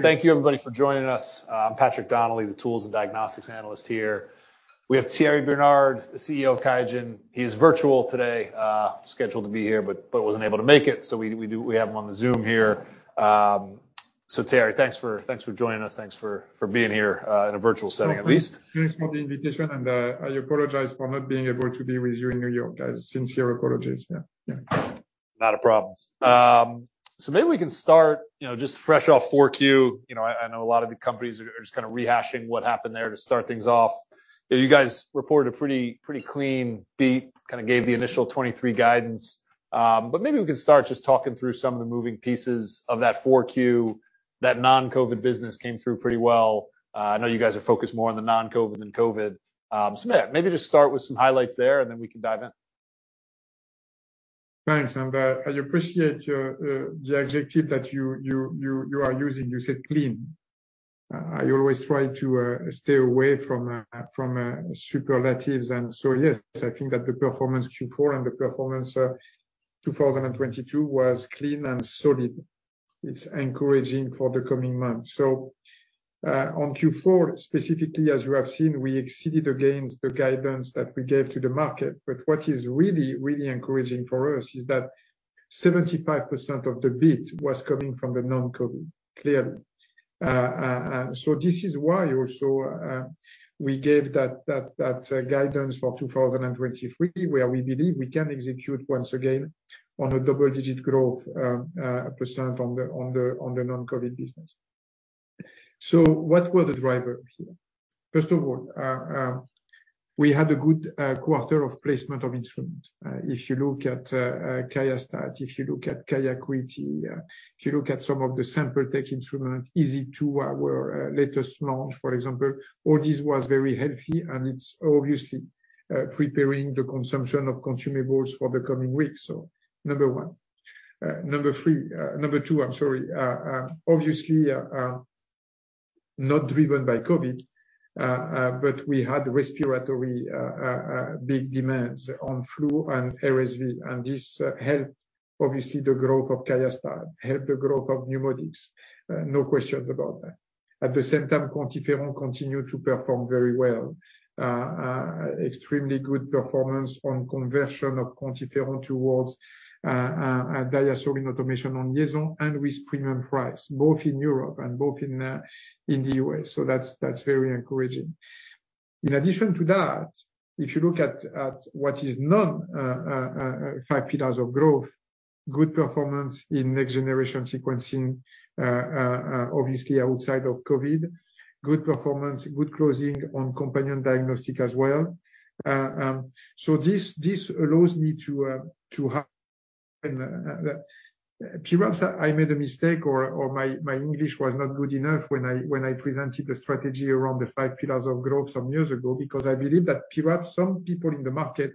Thank you, everybody, for joining us. I'm Patrick Donnelly, the tools and diagnostics analyst here. We have Thierry Bernard, the CEO of QIAGEN. He is virtual today, scheduled to be here, but wasn't able to make it. So we have him on the Zoom here. So Thierry, thanks for joining us. Thanks for being here in a virtual setting, at least. Thanks for the invitation. I apologize for not being able to be with you in New York. My sincere apologies. Not a problem, so maybe we can start just fresh off 4Q. I know a lot of the companies are just kind of rehashing what happened there to start things off. You guys reported a pretty clean beat, kind of gave the initial 2023 guidance, but maybe we can start just talking through some of the moving pieces of that 4Q. That non-COVID business came through pretty well. I know you guys are focused more on the non-COVID than COVID, so maybe just start with some highlights there, and then we can dive in. Thanks, and I appreciate the execution that you are using. You said clean. I always try to stay away from superlatives. And so yes, I think that the performance Q4 and the performance 2022 was clean and solid. It's encouraging for the coming months. So on Q4, specifically, as you have seen, we exceeded again the guidance that we gave to the market. But what is really, really encouraging for us is that 75% of the beat was coming from the non-COVID, clearly. So this is why also we gave that guidance for 2023, where we believe we can execute once again on a double-digit growth percent on the non-COVID business. So what were the drivers here? First of all, we had a good quarter of placement of instruments. If you look at QIAstat, if you look at QIAcuity, if you look at some of the sample tech instruments, EZ2 our latest launch, for example, all this was very healthy. And it's obviously preparing the consumption of consumables for the coming weeks. So number one. Number two, I'm sorry, obviously not driven by COVID, but we had respiratory big demands on flu and RSV. And this helped, obviously, the growth of QIAstat, helped the growth of NeuMoDx. No questions about that. At the same time, QuantiFERON continued to perform very well. Extremely good performance on conversion of QuantiFERON towards DiaSorin automation on LIAISON and with premium price, both in Europe and both in the U.S. So that's very encouraging. In addition to that, if you look at what is beyond the five pillars of growth, good performance in next-generation sequencing, obviously, outside of COVID, good performance, good closing on companion diagnostic as well. So this allows me to have perhaps I made a mistake or my English was not good enough when I presented the strategy around the five pillars of growth some years ago because I believe that perhaps some people in the market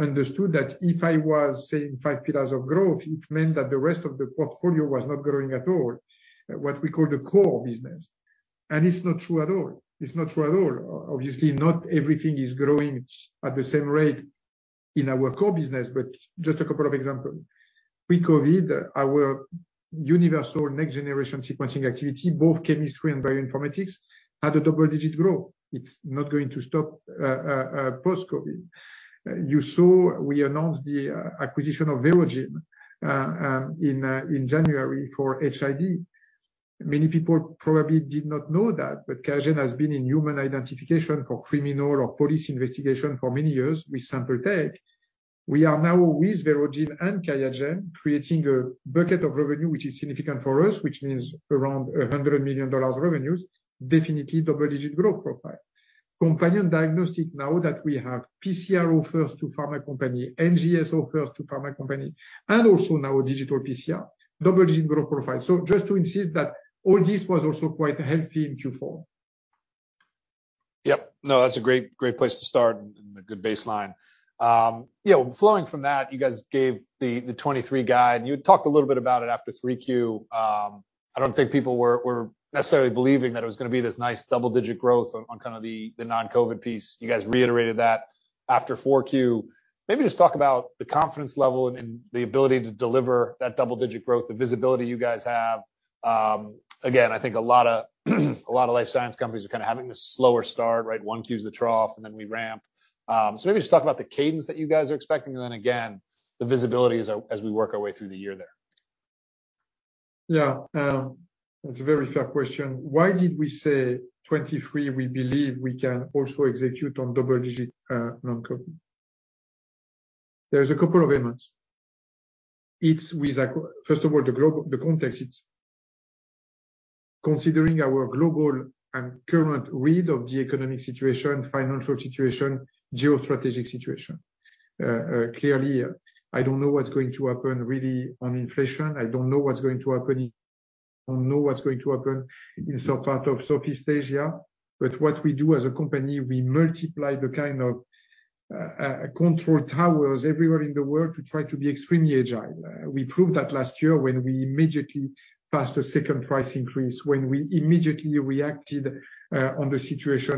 understood that if I was saying five pillars of growth, it meant that the rest of the portfolio was not growing at all, what we call the core business. And it's not true at all. It's not true at all. Obviously, not everything is growing at the same rate in our core business, but just a couple of examples. Pre-COVID, our universal next-generation sequencing activity, both chemistry and bioinformatics, had a double-digit growth. It's not going to stop post-COVID. You saw we announced the acquisition of Verogen in January for HID. Many people probably did not know that, but QIAGEN has been in human identification for criminal or police investigation for many years with sample tech. We are now with Verogen and QIAGEN creating a bucket of revenue, which is significant for us, which means around $100 million revenues, definitely double-digit growth profile. Companion diagnostic now that we have PCR offers to pharma companies, NGS offers to pharma companies, and also now digital PCR, double-digit growth profile. So just to insist that all this was also quite healthy in Q4. Yep. No, that's a great place to start and a good baseline. Following from that, you guys gave the 2023 guide. You had talked a little bit about it after 3Q. I don't think people were necessarily believing that it was going to be this nice double-digit growth on kind of the non-COVID piece. You guys reiterated that after 4Q. Maybe just talk about the confidence level and the ability to deliver that double-digit growth, the visibility you guys have. Again, I think a lot of life science companies are kind of having this slower start, right? 1Q's the trough, and then we ramp. So maybe just talk about the cadence that you guys are expecting, and then again, the visibility as we work our way through the year there. Yeah. That's a very fair question. Why did we say for 2023 we believe we can also execute on double-digit non-COVID? There's a couple of elements. First of all, the context. Considering our global and current read of the economic situation, financial situation, geostrategic situation. Clearly, I don't know what's going to happen really on inflation. I don't know what's going to happen. I don't know what's going to happen in some part of Southeast Asia. But what we do as a company, we multiply the kind of control towers everywhere in the world to try to be extremely agile. We proved that last year when we immediately passed a second price increase, when we immediately reacted on the situation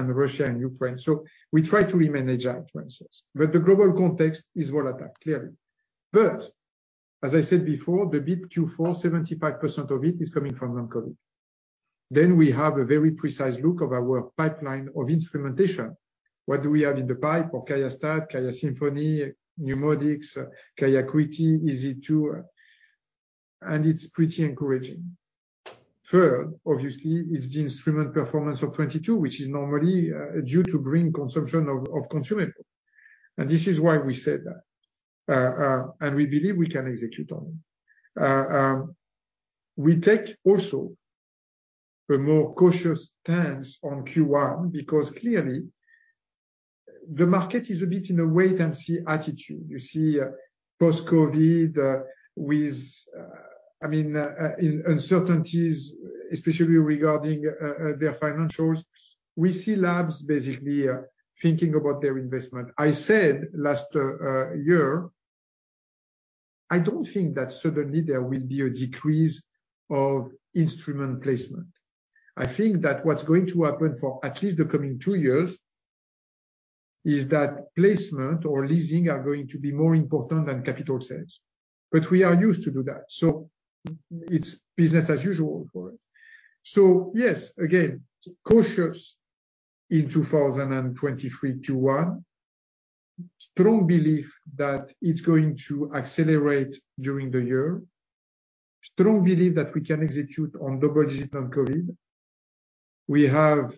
in Russia and Ukraine. So we try to remain agile, for instance. But the global context is volatile, clearly. But as I said before, the big Q4, 75% of it is coming from non-COVID. Then we have a very precise look of our pipeline of instrumentation. What do we have in the pipe for QIAstat, QIAsymphony, NeuMoDx, QIAcuity, EZ2? And it's pretty encouraging. Third, obviously, is the instrument performance of 2022, which is normally due to bring consumption of consumables. And this is why we said that. And we believe we can execute on it. We take also a more cautious stance on Q1 because clearly, the market is a bit in a wait-and-see attitude. You see post-COVID with, I mean, uncertainties, especially regarding their financials. We see labs basically thinking about their investment. I said last year, I don't think that suddenly there will be a decrease of instrument placement. I think that what's going to happen for at least the coming two years is that placement or leasing are going to be more important than capital sales. But we are used to do that. So it's business as usual for us. So yes, again, cautious in 2023 Q1. Strong belief that it's going to accelerate during the year. Strong belief that we can execute on double-digit non-COVID. We have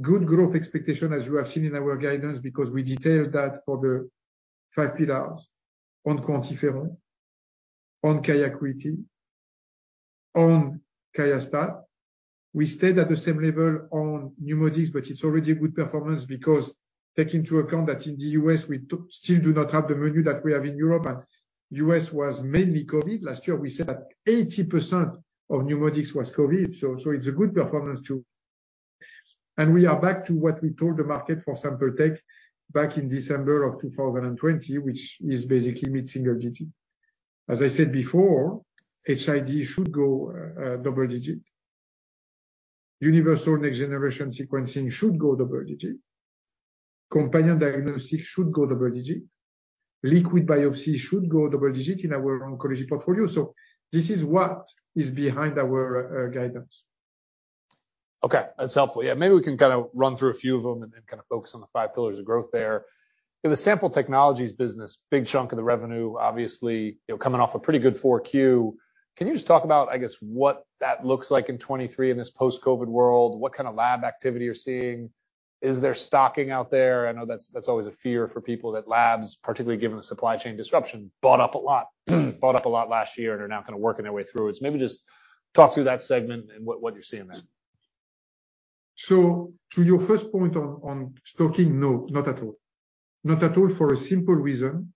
good growth expectations, as you have seen in our guidance, because we detailed that for the five pillars on QuantiFERON, on QIAcuity, on QIAstat. We stayed at the same level on NeuMoDx, but it's already a good performance because take into account that in the U.S., we still do not have the menu that we have in Europe. The U.S. was mainly COVID. Last year, we said that 80% of NeuMoDx was COVID. So it's a good performance too. And we are back to what we told the market for sample tech back in December of 2020, which is basically mid-single digit. As I said before, HID should go double-digit. Universal next-generation sequencing should go double-digit. Companion diagnostic should go double-digit. Liquid biopsy should go double-digit in our oncology portfolio. So this is what is behind our guidance. Okay. That's helpful. Yeah. Maybe we can kind of run through a few of them and kind of focus on the five pillars of growth there. The sample technologies business, big chunk of the revenue, obviously coming off a pretty good 4Q. Can you just talk about, I guess, what that looks like in 2023 in this post-COVID world? What kind of lab activity you're seeing? Is there stocking out there? I know that's always a fear for people that labs, particularly given the supply chain disruption, bought up a lot, bought up a lot last year, and are now kind of working their way through. Maybe just talk through that segment and what you're seeing there. So to your first point on stocking, no, not at all. Not at all for a simple reason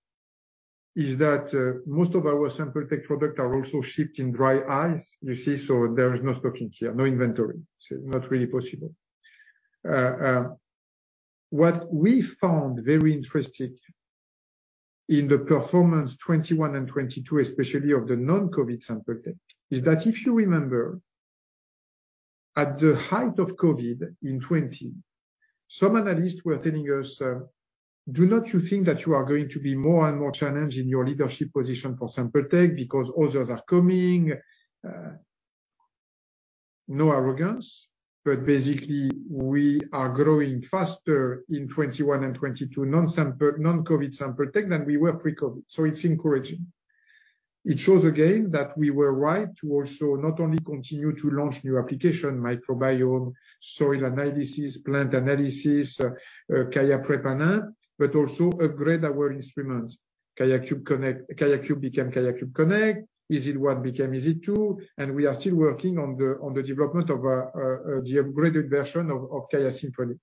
is that most of our sample tech products are also shipped in dry ice, you see. So there's no stocking here, no inventory. So it's not really possible. What we found very interesting in the performance 2021 and 2022, especially of the non-COVID sample tech, is that if you remember, at the height of COVID in 2020, some analysts were telling us, "Don't you think that you are going to be more and more challenged in your leadership position for sample tech because others are coming?" No arrogance. But basically, we are growing faster in 2021 and 2022, non-COVID sample tech than we were pre-COVID. So it's encouraging. It shows again that we were right to also not only continue to launch new applications, microbiome, soil analysis, plant analysis, QIAprep panel, but also upgrade our instruments. QIAcube became QIAcube Connect. EZ1 became EZ2. We are still working on the development of the upgraded version of QIAsymphony.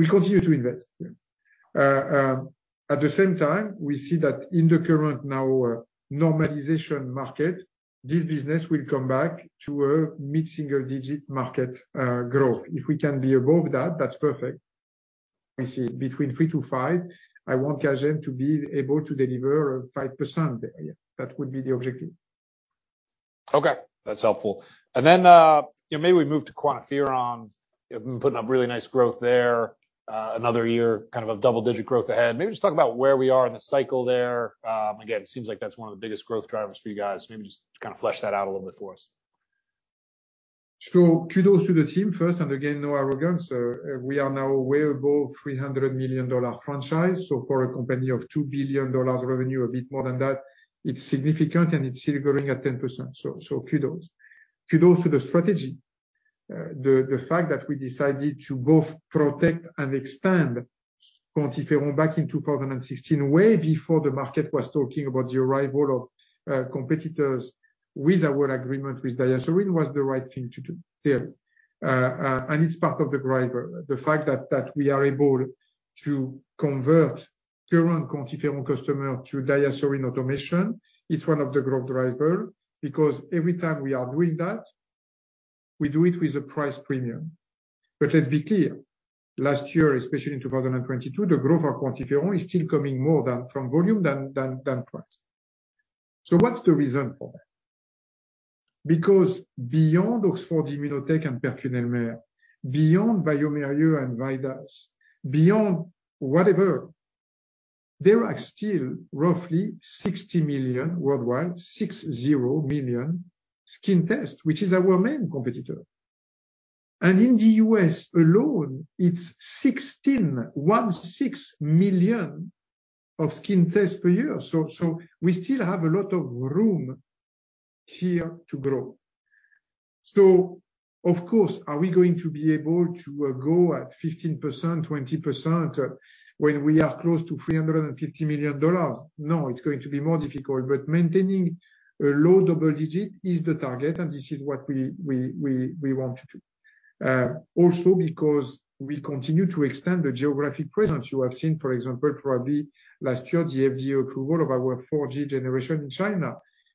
We continue to invest. At the same time, we see that in the currently normalizing market, this business will come back to a mid-single-digit market growth. If we can be above that, that's perfect. We see between three to five. I want QIAGEN to be able to deliver 5%. That would be the objective. Okay. That's helpful. And then maybe we move to QuantiFERON. You've been putting up really nice growth there. Another year kind of of double-digit growth ahead. Maybe just talk about where we are in the cycle there. Again, it seems like that's one of the biggest growth drivers for you guys. Maybe just kind of flesh that out a little bit for us. Kudos to the team first. And again, no arrogance. We are now way above $300 million franchise. For a company of $2 billion revenue, a bit more than that, it's significant, and it's still growing at 10%. Kudos. Kudos to the strategy. The fact that we decided to both protect and expand QuantiFERON back in 2016, way before the market was talking about the arrival of competitors, with our agreement with DiaSorin, was the right thing to do, clearly. And it's part of the driver. The fact that we are able to convert current QuantiFERON customers to DiaSorin automation, it's one of the growth drivers because every time we are doing that, we do it with a price premium. But let's be clear. Last year, especially in 2022, the growth of QuantiFERON is still coming more from volume than price. So what's the reason for that? Because beyond Oxford Immunotec and PerkinElmer, beyond bioMérieux and VIDAS, beyond whatever, there are still roughly 60 million worldwide, 60 million skin tests, which is our main competitor. And in the U.S. alone, it's 16, 16 million of skin tests per year. So we still have a lot of room here to grow. So, of course, are we going to be able to go at 15%-20% when we are close to $350 million? No, it's going to be more difficult. But maintaining a low double digit is the target, and this is what we want to do. Also because we continue to extend the geographic presence. You have seen, for example, probably last year, the FDA approval of our 4G generation in China.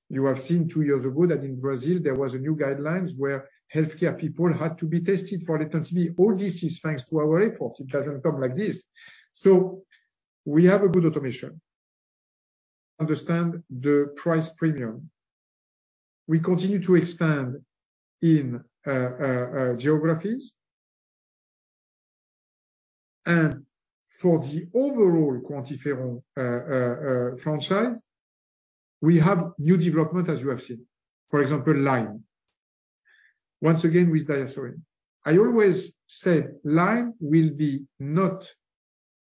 You have seen two years ago that in Brazil, there were new guidelines where healthcare people had to be tested for latency. All this is thanks to our efforts. It doesn't come like this, so we have a good automation. Understand the price premium. We continue to expand in geographies, and for the overall QuantiFERON franchise, we have new development, as you have seen. For example, Lyme. Once again, with DiaSorin. I always said Lyme will be not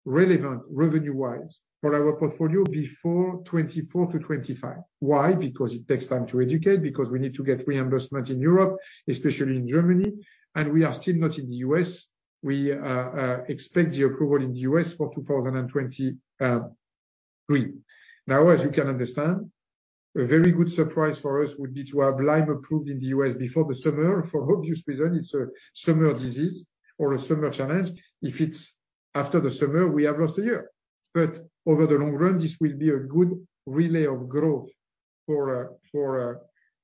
relevant revenue-wise for our portfolio before 2024-2025. Why? Because it takes time to educate, because we need to get reimbursement in Europe, especially in Germany, and we are still not in the U.S. We expect the approval in the U.S. for 2023. Now, as you can understand, a very good surprise for us would be to have Lyme approved in the U.S. before the summer for obvious reasons. It's a summer disease or a summer challenge. If it's after the summer, we have lost a year. But over the long run, this will be a good relay of growth for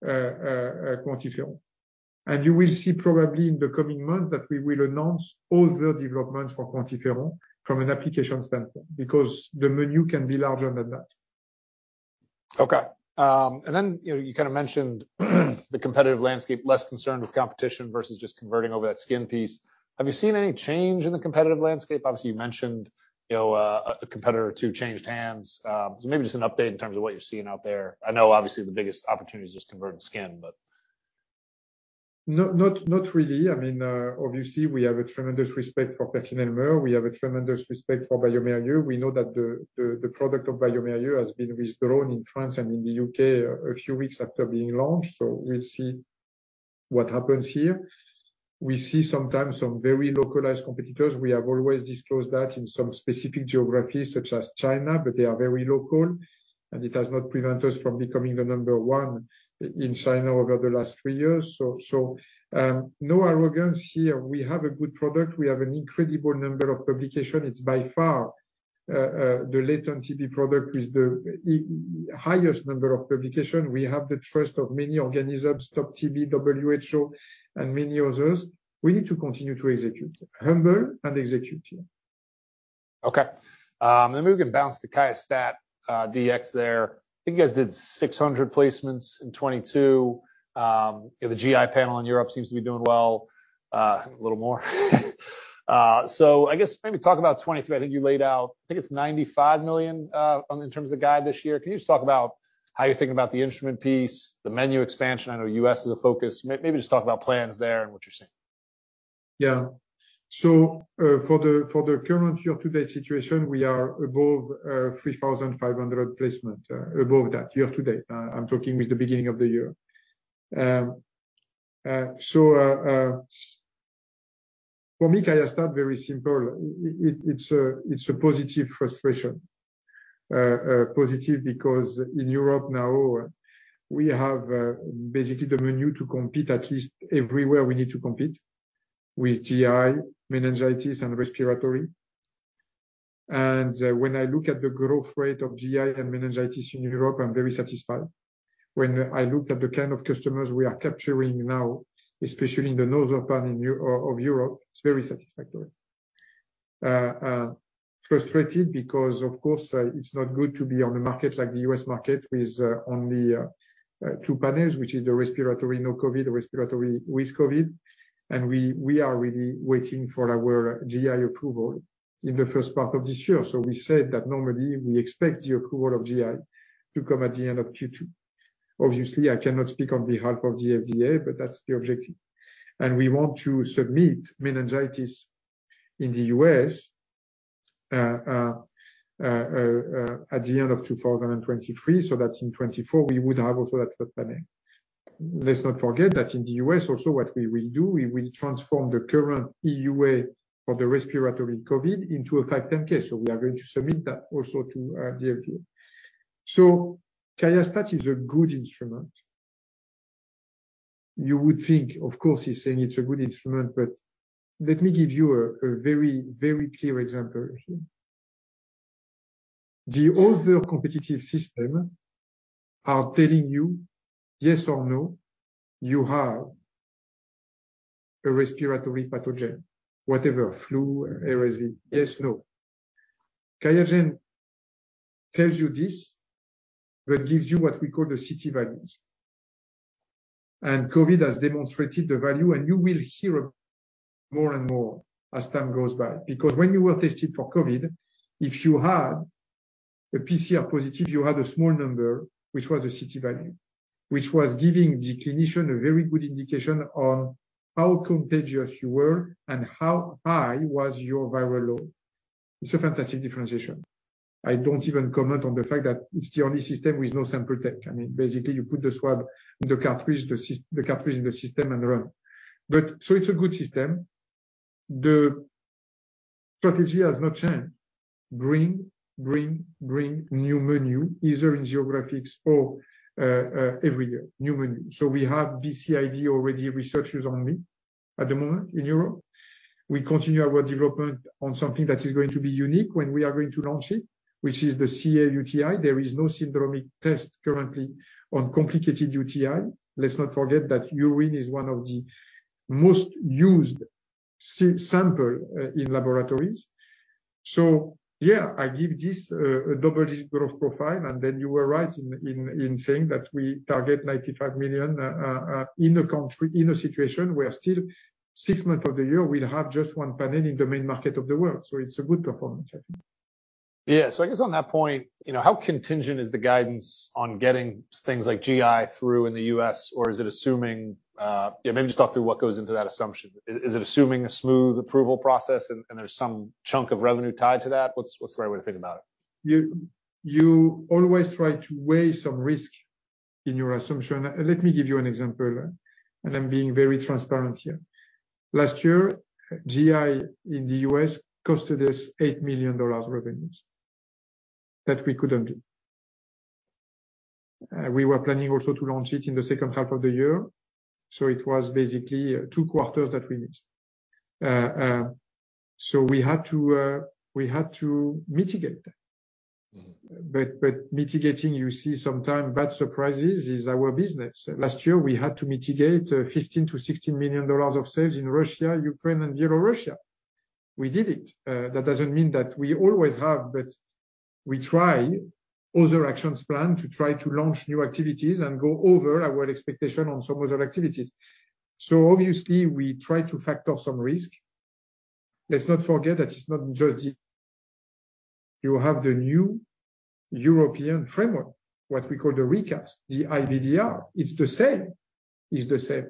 QuantiFERON. And you will see probably in the coming months that we will announce all the developments for QuantiFERON from an application standpoint because the menu can be larger than that. Okay. And then you kind of mentioned the competitive landscape, less concerned with competition versus just converting over that skin piece. Have you seen any change in the competitive landscape? Obviously, you mentioned a competitor or two changed hands. So maybe just an update in terms of what you're seeing out there. I know obviously the biggest opportunity is just converting skin, but. Not really. I mean, obviously, we have a tremendous respect for PerkinElmer. We have a tremendous respect for bioMérieux. We know that the product of bioMérieux has been withdrawn in France and in the UK a few weeks after being launched. So we'll see what happens here. We see sometimes some very localized competitors. We have always disclosed that in some specific geographies such as China, but they are very local. And it has not prevented us from becoming the number one in China over the last three years. So no arrogance here. We have a good product. We have an incredible number of publications. It's by far the latent TB product with the highest number of publications. We have the trust of many organizations, Stop TB, WHO, and many others. We need to continue to execute, humble, and execute here. Okay. And then maybe we can bounce to QIAstat-Dx there. I think you guys did 600 placements in 2022. The GI panel in Europe seems to be doing well. A little more. So I guess maybe talk about 2023. I think you laid out, I think it's $95 million in terms of the guide this year. Can you just talk about how you're thinking about the instrument piece, the menu expansion? I know U.S. is a focus. Maybe just talk about plans there and what you're seeing. Yeah. So for the current year-to-date situation, we are above 3,500 placements, above that year-to-date. I'm talking with the beginning of the year. So, for me, QIAstat, very simple. It's a positive frustration. Positive because in Europe now, we have basically the menu to compete at least everywhere we need to compete with GI, meningitis, and respiratory. And when I look at the growth rate of GI and meningitis in Europe, I'm very satisfied. When I look at the kind of customers we are capturing now, especially in the northern part of Europe, it's very satisfactory. Frustrated because, of course, it's not good to be on the market like the U.S. market with only two panels, which is the respiratory, no COVID, the respiratory with COVID. And we are really waiting for our GI approval in the first part of this year. So we said that normally we expect the approval of GI to come at the end of Q2. Obviously, I cannot speak on behalf of the FDA, but that's the objective. And we want to submit meningitis in the U.S. at the end of 2023 so that in 2024, we would have also that third panel. Let's not forget that in the U.S., also what we will do, we will transform the current EUA for the respiratory COVID into a 510(k). So we are going to submit that also to the FDA. So QIAstat is a good instrument. You would think, of course, he's saying it's a good instrument, but let me give you a very, very clear example here. The other competitive system are telling you, yes or no, you have a respiratory pathogen, whatever, flu, RSV, yes, no. QIAGEN tells you this, but gives you what we call the Ct values. COVID has demonstrated the value, and you will hear more and more as time goes by. Because when you were tested for COVID, if you had a PCR positive, you had a small number, which was the Ct value, which was giving the clinician a very good indication on how contagious you were and how high was your viral load. It's a fantastic differentiation. I don't even comment on the fact that it's the only system with no sample tech. I mean, basically, you put the swab in the cartridge, the cartridge in the system, and run. It's a good system. The strategy has not changed. Bring, bring, bring new menu, either in geographies or every year, new menu. We have BCID already research use only at the moment in Europe. We continue our development on something that is going to be unique when we are going to launch it, which is the cUTI. There is no syndromic test currently on complicated UTI. Let's not forget that urine is one of the most used samples in laboratories. So yeah, I give this a double-digit growth profile, and then you were right in saying that we target $95 million in a country, in a situation where still six months of the year, we'll have just one panel in the main market of the world. So it's a good performance, I think. Yeah. So I guess on that point, how contingent is the guidance on getting things like GI through in the U.S., or is it assuming? Maybe just talk through what goes into that assumption. Is it assuming a smooth approval process and there's some chunk of revenue tied to that? What's the right way to think about it? You always try to weigh some risk in your assumption. Let me give you an example, and I'm being very transparent here. Last year, GI in the U.S. cost us $8 million revenues that we couldn't do. We were planning also to launch it in the second half of the year. So it was basically two quarters that we missed. So we had to mitigate. But mitigating, you see sometimes bad surprises is our business. Last year, we had to mitigate $15-$16 million of sales in Russia, Ukraine, and Belarus. We did it. That doesn't mean that we always have, but we try other action plans to try to launch new activities and go over our expectation on some other activities. So obviously, we try to factor some risk. Let's not forget that it's not just the E.U. You have the new European framework, what we call the recast, the IVDR. It's the same. It's the same.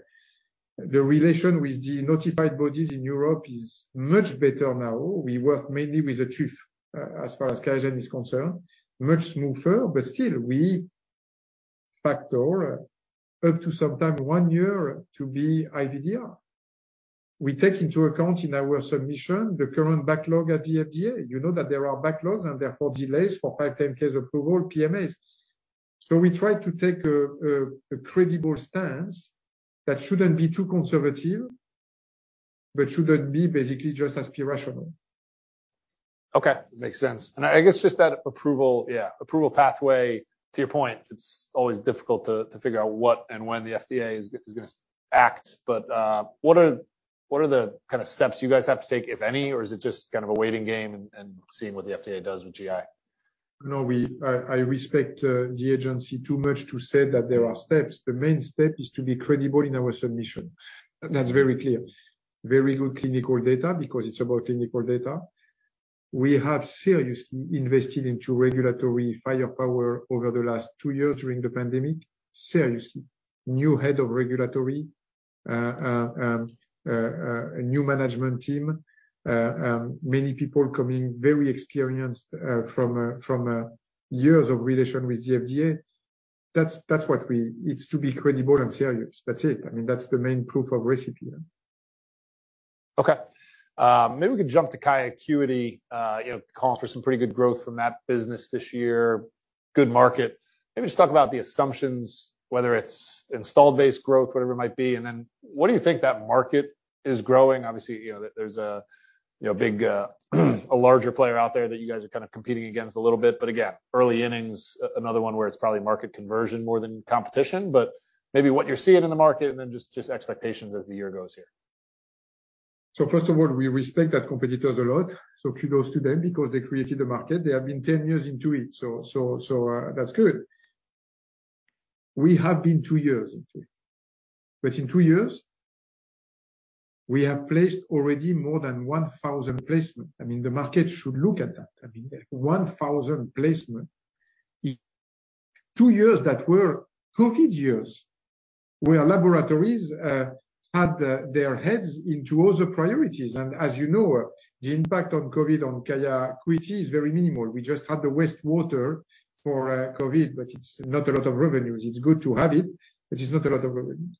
The relation with the notified bodies in Europe is much better now. We work mainly with the TÜV as far as QIAGEN is concerned, much smoother. But still, we factor up to sometime one year to be IVDR. We take into account in our submission the current backlog at the FDA. You know that there are backlogs and therefore delays for 510(k) approval, PMAs. So we try to take a credible stance that shouldn't be too conservative, but shouldn't be basically just aspirational. Okay. Makes sense. And I guess just that approval, yeah, approval pathway, to your point, it's always difficult to figure out what and when the FDA is going to act. But what are the kind of steps you guys have to take, if any? Or is it just kind of a waiting game and seeing what the FDA does with GI? No, I respect the agency too much to say that there are steps. The main step is to be credible in our submission. That's very clear. Very good clinical data because it's about clinical data. We have seriously invested into regulatory firepower over the last two years during the pandemic, seriously. New head of regulatory, new management team, many people coming, very experienced from years of relation with the FDA. That's what we need. It's to be credible and serious. That's it. I mean, that's the main prerequisite. Okay. Maybe we could jump to QIAcuity, calling for some pretty good growth from that business this year. Good market. Maybe just talk about the assumptions, whether it's installed-based growth, whatever it might be. And then what do you think that market is growing? Obviously, there's a bigger player out there that you guys are kind of competing against a little bit. But again, early innings, another one where it's probably market conversion more than competition. But maybe what you're seeing in the market and then just expectations as the year goes here? So first of all, we respect that competitors a lot. So kudos to them because they created the market. They have been 10 years into it. So that's good. We have been two years into it. But in two years, we have placed already more than 1,000 placements. I mean, the market should look at that. I mean, 1,000 placements. Two years that were COVID years where laboratories had their heads into other priorities. And as you know, the impact on COVID on QIAcuity is very minimal. We just had the wastewater for COVID, but it's not a lot of revenues. It's good to have it, but it's not a lot of revenues.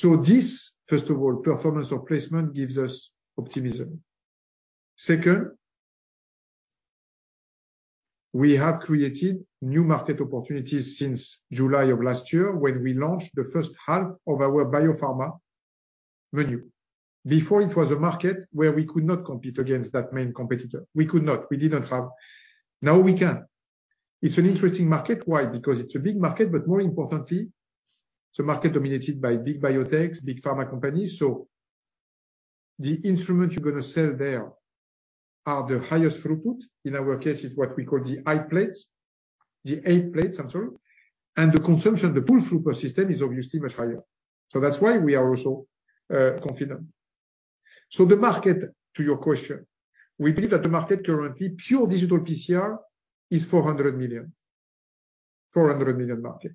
So this, first of all, performance of placement gives us optimism. Second, we have created new market opportunities since July of last year when we launched the first half of our biopharma menu. Before, it was a market where we could not compete against that main competitor. We could not. We didn't have. Now, we can. It's an interesting market. Why? Because it's a big market, but more importantly, it's a market dominated by big biotechs, big pharma companies. So the instruments you're going to sell there are the highest throughput. In our case, it's what we call the eight plates, the eight plates, I'm sorry. And the consumption, the full throughput system is obviously much higher. So that's why we are also confident. So, to your question, we believe that the market currently, pure digital PCR is $400 million, $400-million market.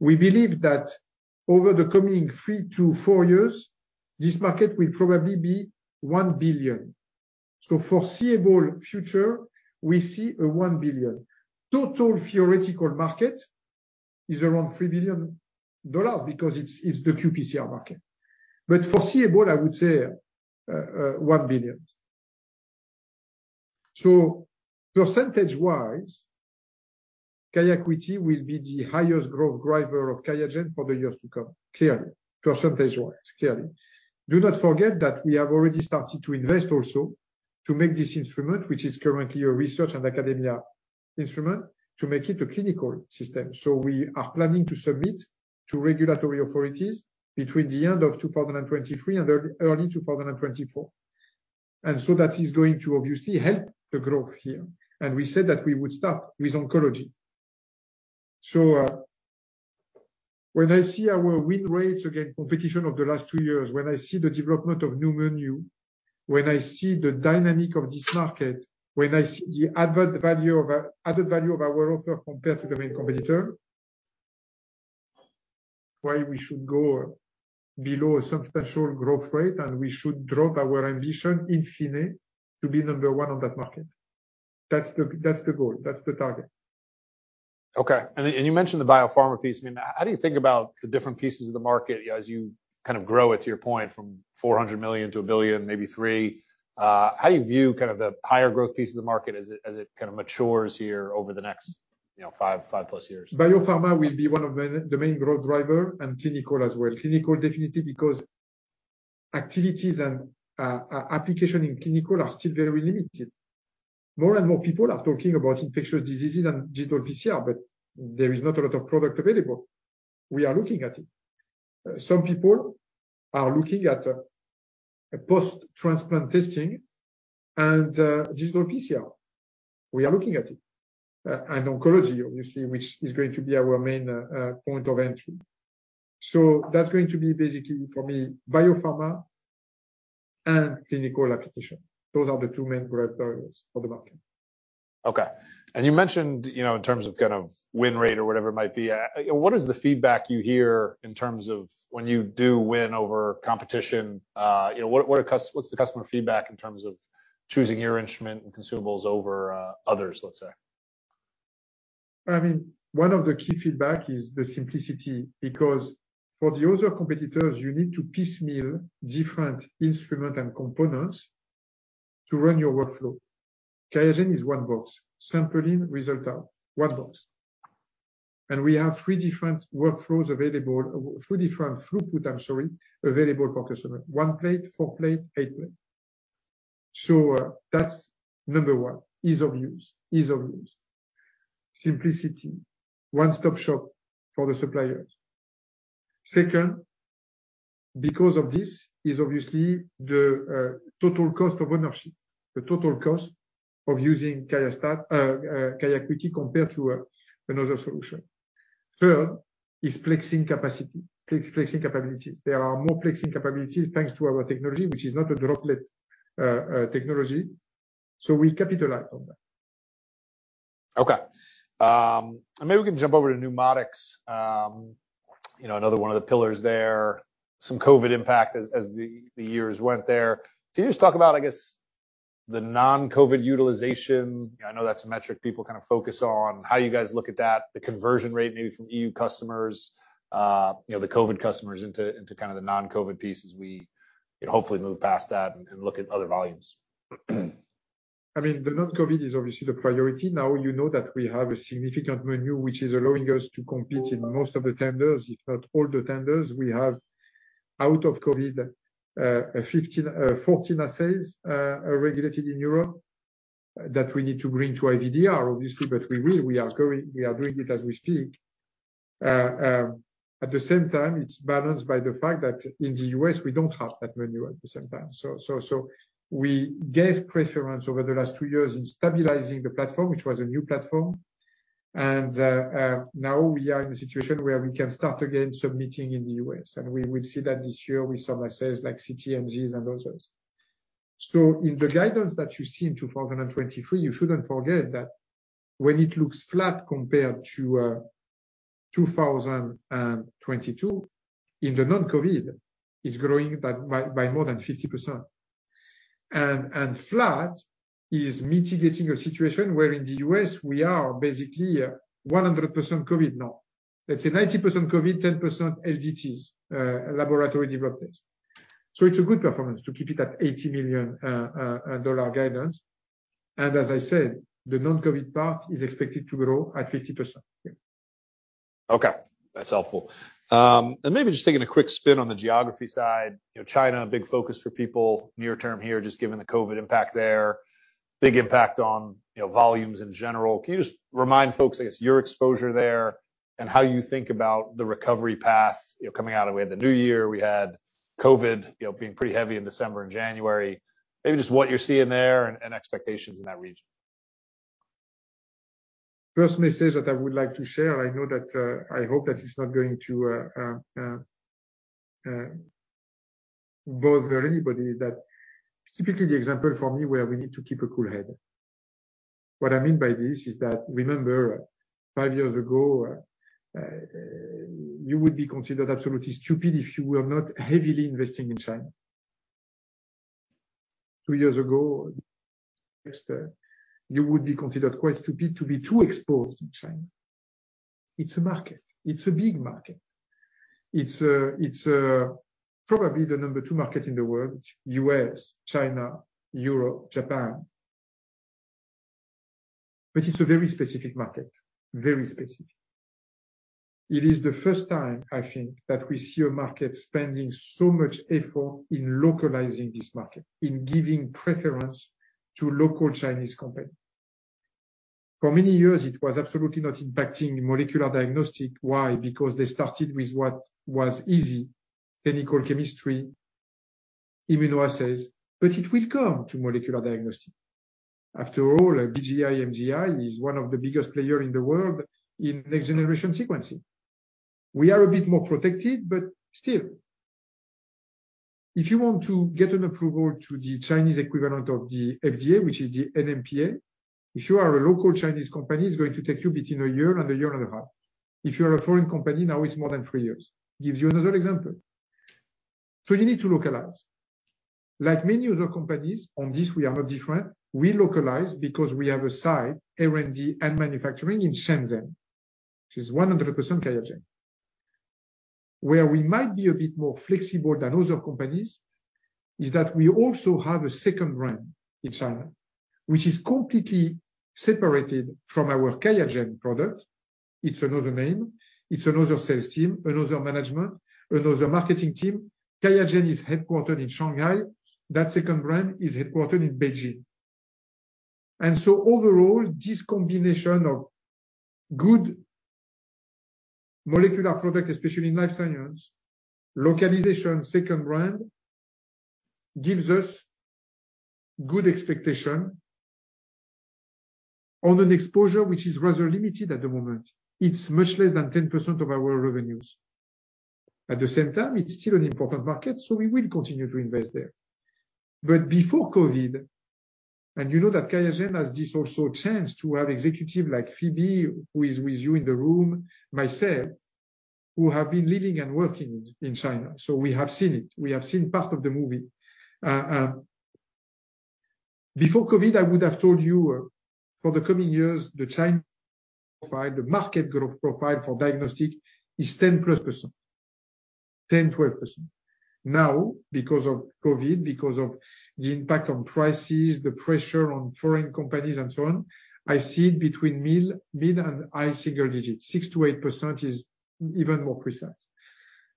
We believe that over the coming three to four years, this market will probably be $1 billion. So foreseeable future, we see a $1 billion. Total theoretical market is around $3 billion because it's the qPCR market. But foreseeable, I would say $1 billion. So percentage-wise, QIAcuity will be the highest growth driver of QIAGEN for the years to come, clearly, percentage-wise, clearly. Do not forget that we have already started to invest also to make this instrument, which is currently a research and academia instrument, to make it a clinical system. So we are planning to submit to regulatory authorities between the end of 2023 and early 2024. And so that is going to obviously help the growth here. And we said that we would start with oncology. So when I see our win rates against competition of the last two years, when I see the development of new menu, when I see the dynamic of this market, when I see the added value of our offer compared to the main competitor, why we should go below a substantial growth rate and we should drop our ambition in finesse to be number one on that market? That's the goal. That's the target. Okay. And you mentioned the biopharma piece. I mean, how do you think about the different pieces of the market as you kind of grow it, to your point, from 400 million to a billion, maybe three? How do you view kind of the higher growth piece of the market as it kind of matures here over the next five plus years? Biopharma will be one of the main growth drivers and clinical as well. Clinical definitely because activities and applications in clinical are still very limited. More and more people are talking about infectious diseases and digital PCR, but there is not a lot of product available. We are looking at it. Some people are looking at post-transplant testing and digital PCR. We are looking at it. And oncology, obviously, which is going to be our main point of entry. So that's going to be basically, for me, biopharma and clinical application. Those are the two main growth drivers for the market. Okay. And you mentioned in terms of kind of win rate or whatever it might be, what is the feedback you hear in terms of when you do win over competition? What's the customer feedback in terms of choosing your instrument and consumables over others, let's say? I mean, one of the key feedback is the simplicity because for the other competitors, you need to piecemeal different instruments and components to run your workflow. QIAGEN is one box. Sample in, result out. One box. And we have three different workflows available, three different throughput, I'm sorry, available for customers. One plate, four plate, eight plate. So that's number one, ease of use, ease of use. Simplicity, one-stop shop for the suppliers. Second, because of this, is obviously the total cost of ownership, the total cost of using QIAcuity compared to another solution. Third is plexing capacity, plexing capabilities. There are more plexing capabilities thanks to our technology, which is not a droplet technology. So we capitalize on that. Okay. And maybe we can jump over to NeuMoDx, another one of the pillars there, some COVID impact as the years went on. Can you just talk about, I guess, the non-COVID utilization? I know that's a metric people kind of focus on. How do you guys look at that, the conversion rate maybe from EUA customers, the COVID customers into kind of the non-COVID piece as we hopefully move past that and look at other volumes? I mean, the non-COVID is obviously the priority. Now, you know that we have a significant menu, which is allowing us to compete in most of the tenders, if not all the tenders. We have, out of COVID, 14 assays regulated in Europe that we need to bring to IVDR, obviously, but we will. We are doing it as we speak. At the same time, it's balanced by the fact that in the U.S., we don't have that menu at the same time. So we gave preference over the last two years in stabilizing the platform, which was a new platform. And now we are in a situation where we can start again submitting in the U.S., and we will see that this year with some assays like CT, NGs, and others. So in the guidance that you see in 2023, you shouldn't forget that when it looks flat compared to 2022, in the non-COVID, it's growing by more than 50%. And flat is mitigating a situation where in the U.S., we are basically 100% COVID now. Let's say 90% COVID, 10% LDTs, laboratory developed tests. So it's a good performance to keep it at $80 million guidance. And as I said, the non-COVID part is expected to grow at 50%. Okay. That's helpful. And maybe just taking a quick spin on the geography side, China, big focus for people near term here, just given the COVID impact there, big impact on volumes in general. Can you just remind folks, I guess, your exposure there and how you think about the recovery path coming out of the wave of the new year? We had COVID being pretty heavy in December and January. Maybe just what you're seeing there and expectations in that region. First message that I would like to share, and I hope that it's not going to bother anybody, is that it's typically the example for me where we need to keep a cool head. What I mean by this is that, remember, five years ago, you would be considered absolutely stupid if you were not heavily investing in China. Two years ago, you would be considered quite stupid to be too exposed in China. It's a market. It's a big market. It's probably the number two market in the world. It's U.S., China, Europe, Japan. But it's a very specific market, very specific. It is the first time, I think, that we see a market spending so much effort in localizing this market, in giving preference to local Chinese companies. For many years, it was absolutely not impacting molecular diagnostics. Why? Because they started with what was easy, clinical chemistry, immunoassays. But it will come to molecular diagnostic. After all, BGI, MGI is one of the biggest players in the world in next-generation sequencing. We are a bit more protected, but still. If you want to get an approval to the Chinese equivalent of the FDA, which is the NMPA, if you are a local Chinese company, it's going to take you between a year and a year and a half. If you are a foreign company, now it's more than three years. Gives you another example. So you need to localize. Like many other companies, on this, we are not different. We localize because we have a site, R&D and manufacturing in Shenzhen, which is 100% QIAGEN. Where we might be a bit more flexible than other companies is that we also have a second brand in China, which is completely separated from our QIAGEN product. It's another name. It's another sales team, another management, another marketing team. QIAGEN is headquartered in Shanghai. That second brand is headquartered in Beijing. And so overall, this combination of good molecular product, especially in life science, localization, second brand, gives us good expectation on an exposure which is rather limited at the moment. It's much less than 10% of our revenues. At the same time, it's still an important market, so we will continue to invest there, but before COVID, and you know that QIAGEN has this also chance to have executives, like Phoebe, who is with you in the room, myself, who have been living and working in China, so we have seen it. We have seen part of the movie. Before COVID, I would have told you for the coming years, the China profile, the market growth profile for diagnostics is 10%+, 10%-12%. Now, because of COVID, because of the impact on prices, the pressure on foreign companies, and so on, I see it between mid and high single digits. 6%-8% is even more precise,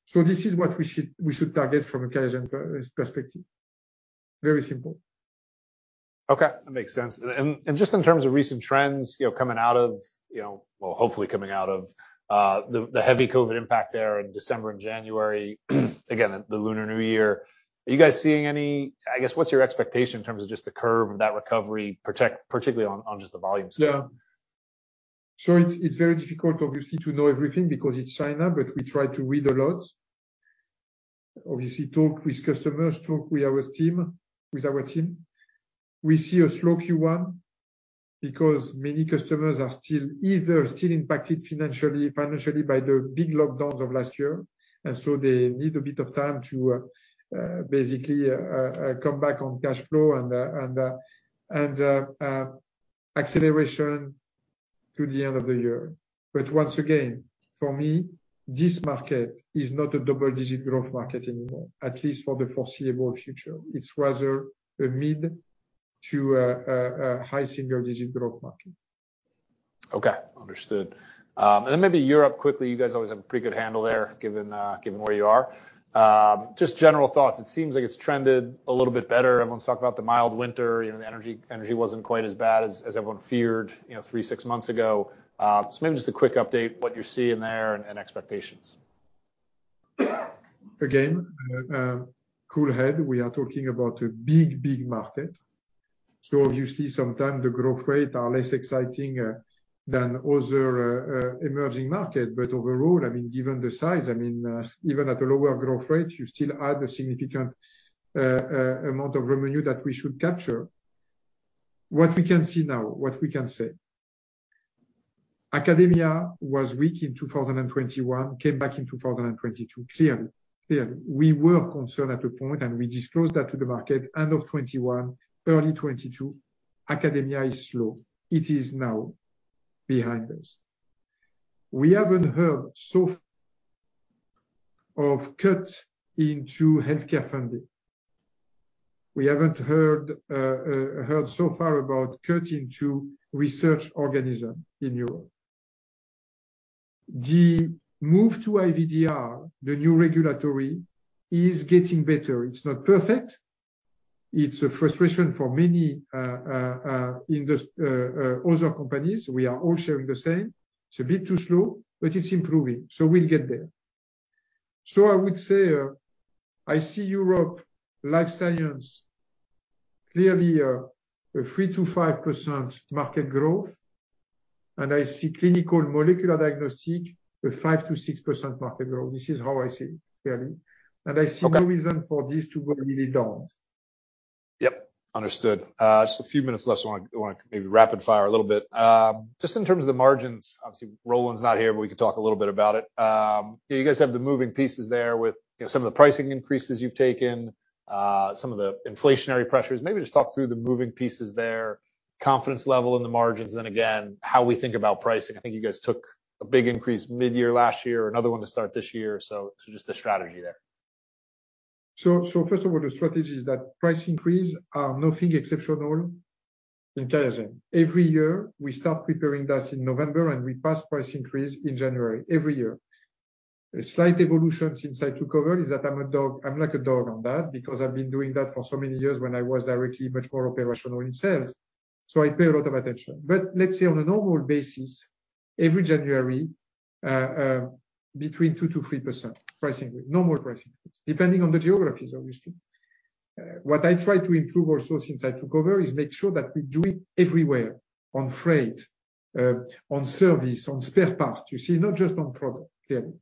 so this is what we should target from a QIAGEN perspective. Very simple. Okay. That makes sense. And just in terms of recent trends coming out of, well, hopefully coming out of the heavy COVID impact there in December and January, again, the lunar new year, are you guys seeing any? I guess, what's your expectation in terms of just the curve of that recovery, particularly on just the volume side? Yeah. So it's very difficult, obviously, to know everything because it's China, but we try to read a lot. Obviously, talk with customers, talk with our team. We see a slow Q1 because many customers are still either impacted financially by the big lockdowns of last year. And so they need a bit of time to basically come back on cash flow and acceleration to the end of the year. But once again, for me, this market is not a double-digit growth market anymore, at least for the foreseeable future. It's rather a mid to high single-digit growth market. Okay. Understood. And then, maybe Europe, quickly. You guys always have a pretty good handle there, given where you are. Just general thoughts. It seems like it's trended a little bit better. Everyone's talked about the mild winter. The energy wasn't quite as bad as everyone feared three, six months ago. So, maybe just a quick update on what you're seeing there and expectations. Again, cool head. We are talking about a big, big market. So obviously, sometimes the growth rates are less exciting than other emerging markets. But overall, I mean, given the size, I mean, even at a lower growth rate, you still add a significant amount of revenue that we should capture. What we can see now, what we can say. Academia was weak in 2021, came back in 2022, clearly. Clearly. We were concerned at the point, and we disclosed that to the market, end of 2021, early 2022. Academia is slow. It is now behind us. We haven't heard so far of cuts into healthcare funding. We haven't heard so far about cuts into research organizations in Europe. The move to IVDR, the new regulatory, is getting better. It's not perfect. It's a frustration for many other companies. We are all sharing the same. It's a bit too slow, but it's improving. So we'll get there. So I would say I see Europe, life science, clearly a 3-5% market growth. And I see clinical molecular diagnostic, a 5-6% market growth. This is how I see it, clearly. And I see no reason for this to go really down. Yep. Understood. Just a few minutes left. I want to maybe rapid-fire a little bit. Just in terms of the margins, obviously, Roland's not here, but we could talk a little bit about it. You guys have the moving pieces there with some of the pricing increases you've taken, some of the inflationary pressures. Maybe just talk through the moving pieces there, confidence level in the margins, and then again, how we think about pricing. I think you guys took a big increase mid-year last year, another one to start this year. So just the strategy there. So first of all, the strategy is that price increase, nothing exceptional in QIAGEN. Every year, we start preparing that in November, and we pass price increase in January, every year. A slight evolution since I took over is that I'm like a dog on that because I've been doing that for so many years when I was directly much more operational in sales. So I pay a lot of attention. But let's say on a normal basis, every January, between 2%-3% pricing increase, normal pricing increase, depending on the geographies, obviously. What I try to improve also since I took over is make sure that we do it everywhere on freight, on service, on spare parts, you see, not just on product, clearly.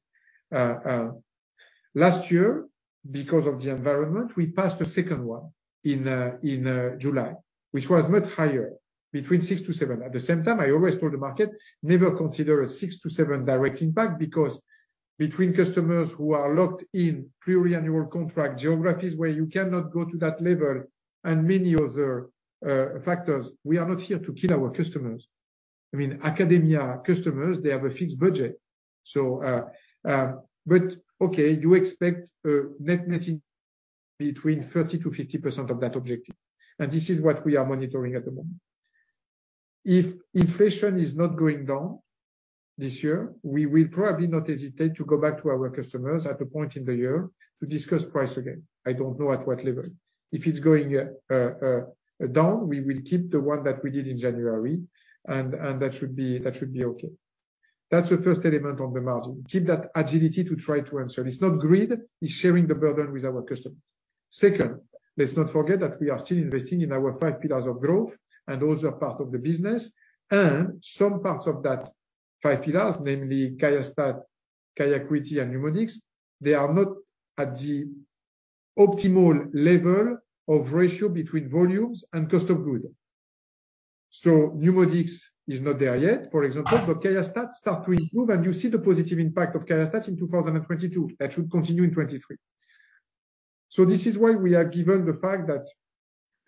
Last year, because of the environment, we passed a second one in July, which was much higher, between 6%-7%. At the same time, I always told the market, never consider a 6%-7% direct impact because between customers who are locked in pre-annual contract geographies where you cannot go to that level and many other factors, we are not here to kill our customers. I mean, academia customers, they have a fixed budget. Okay, you expect a net netting between 30%-50% of that objective. This is what we are monitoring at the moment. If inflation is not going down this year, we will probably not hesitate to go back to our customers at a point in the year to discuss price again. I don't know at what level. If it's going down, we will keep the one that we did in January, and that should be okay. That's the first element on the margin. Keep that agility to try to answer. It's not greed. It's sharing the burden with our customers. Second, let's not forget that we are still investing in our five pillars of growth, and those are part of the business. Some parts of that five pillars, namely QIAstat, QIAcuity, and NeuMoDx, they are not at the optimal level of ratio between volumes and cost of goods. So NeuMoDx is not there yet, for example, but QIAstat starts to improve, and you see the positive impact of QIAstat in 2022. That should continue in 2023. So this is why we are given the fact that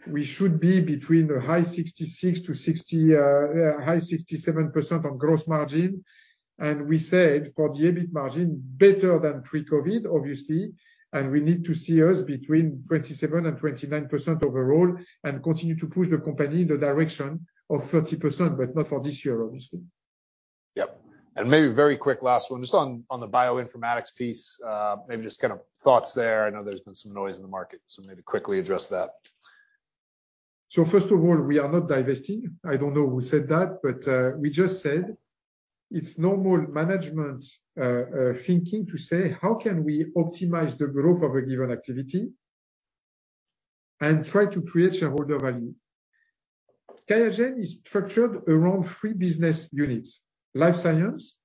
we should be between the high 66% to high 67% on gross margin. And we said for the EBIT margin, better than pre-COVID, obviously. We need to see us between 27% and 29% overall and continue to push the company in the direction of 30%, but not for this year, obviously. Yep. And maybe very quick last one, just on the bioinformatics piece, maybe just kind of thoughts there. I know there's been some noise in the market, so maybe quickly address that. First of all, we are not divesting. I don't know who said that, but we just said it's normal management thinking to say, how can we optimize the growth of a given activity and try to create shareholder value? QIAGEN is structured around three business units: life science,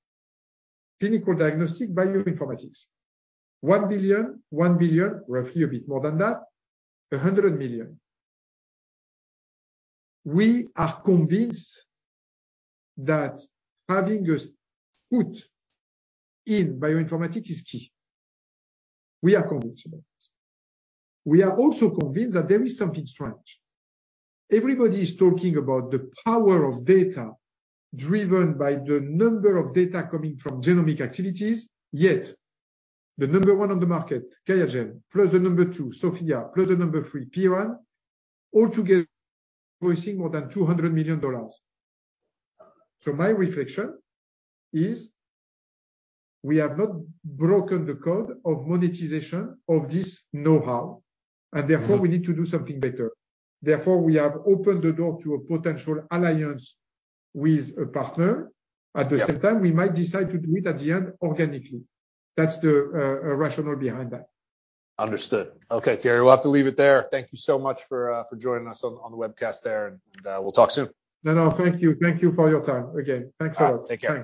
clinical diagnostic, bioinformatics. $1 billion, $1 billion, roughly a bit more than that, $100 million. We are convinced that having a foot in bioinformatics is key. We are convinced about it. We are also convinced that there is something strange. Everybody is talking about the power of data driven by the number of data coming from genomic activities, yet the number one on the market, QIAGEN, plus the number two, SOPHiA, plus the number three, Pierian, altogether doing more than $200 million. So my reflection is we have not broken the code of monetization of this know-how, and therefore we need to do something better. Therefore, we have opened the door to a potential alliance with a partner. At the same time, we might decide to do it at the end organically. That's the rationale behind that. Understood. Okay, Thierry, we'll have to leave it there. Thank you so much for joining us on the webcast there, and we'll talk soon. No, no. Thank you. Thank you for your time. Again, thanks a lot. Take care.